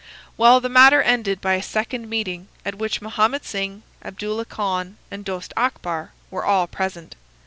"Well, the matter ended by a second meeting, at which Mahomet Singh, Abdullah Khan, and Dost Akbar were all present.